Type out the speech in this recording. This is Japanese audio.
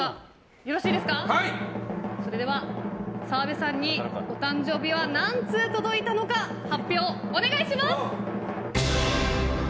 それでは、澤部さんにお誕生日は何通届いたのか発表お願いします！